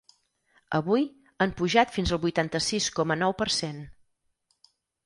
Avui, han pujat fins al vuitanta-sis coma nou per cent.